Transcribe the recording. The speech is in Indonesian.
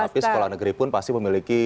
tapi sekolah negeri pun pasti memiliki